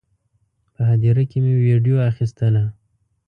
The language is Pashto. په هدیره کې مې ویډیو اخیستله.